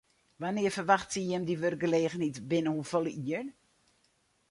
Wannear ferwachtsje jim dy wurkgelegenheid, binnen hoefolle jier?